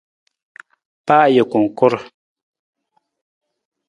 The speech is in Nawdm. Pa ajungkur!